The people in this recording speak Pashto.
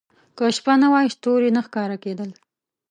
• که شپه نه وای، ستوري نه ښکاره کېدل.